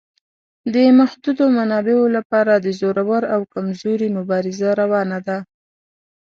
د محدودو منابعو لپاره د زورور او کمزوري مبارزه روانه ده.